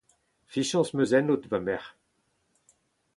Fiziañs 'm eus ennout ma merc'h.